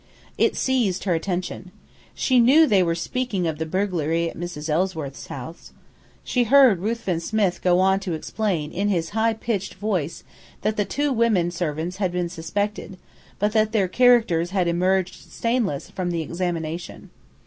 It seized her attention. She knew they were speaking of the burglary at Mrs. Ellsworth's house. She heard Ruthven Smith go on to explain in his high pitched voice that the two woman servants had been suspected, but that their characters had "emerged stainless" from the examination.